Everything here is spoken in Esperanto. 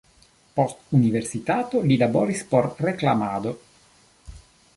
Post universitato li laboris por reklamado.